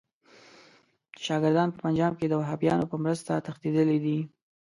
چې شاګردان په پنجاب کې د وهابیانو په مرسته تښتېدلي دي.